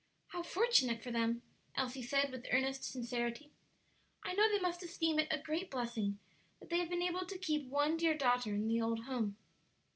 "How fortunate for them!" Elsie said, with earnest sincerity. "I know they must esteem it a great blessing that they have been able to keep one dear daughter in the old home."